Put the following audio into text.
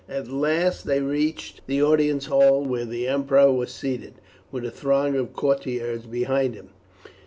At last they reached the audience hall, where the emperor was seated with a throng of courtiers behind him.